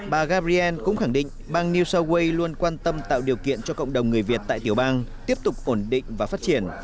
bà gariel cũng khẳng định bang new south wales luôn quan tâm tạo điều kiện cho cộng đồng người việt tại tiểu bang tiếp tục ổn định và phát triển